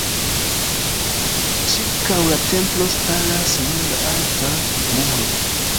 Ĉirkaŭ la templo staras ronda alta muro.